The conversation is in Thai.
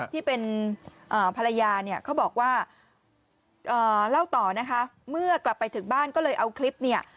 ที่เป็นภรรยาเนี่ยเขาบอกว่าเล่าต่อนะคะเมื่อกลับไปถึงบ้านก็เลยเอาคลิปเนี่ย